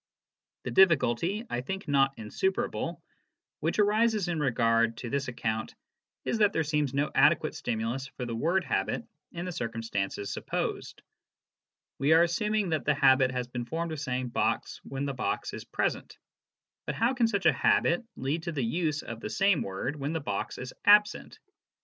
'" The difficulty I think not insuperable which arises in regard to this account is that there seems no adequate stimulus for the word habit in the circumstances supposed. We are assuming that the habit has been formed of saying " box " when the box is present ; but how can such a habit lead to the use of the same word when the box is absent